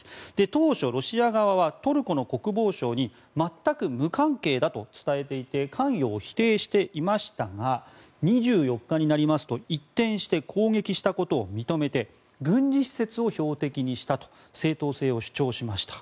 当初、ロシア側はトルコの国防省に全く無関係だと伝えていて関与を否定していましたが２４日になりますと一転して攻撃したことを認めて軍事施設を標的にしたと正当性を主張しました。